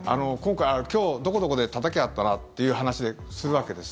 今日、どこどこでたたきあったなっていう話でするわけです。